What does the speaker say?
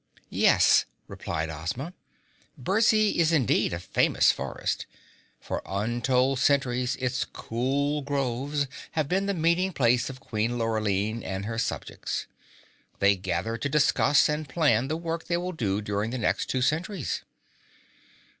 "Yes," replied Ozma, "Burzee is indeed a famous forest. For untold centuries its cool groves have been the meeting place of Queen Lurline and her subjects. They gather to discuss and plan the work they will do during the next two centuries.